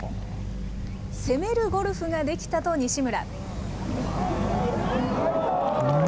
攻めるゴルフができたと西村。